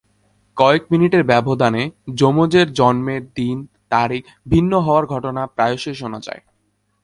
কয়েক মিনিটের ব্যবধানে যমজের জন্মের দিন-তারিখ ভিন্ন হওয়ার ঘটনা প্রায়ই শোনা যায়।